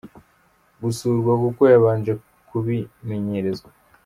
gusurwa kuko yabanje kubimenyerezwa.